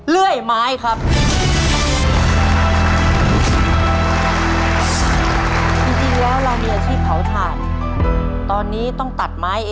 เลื่อยไม้ค่ะ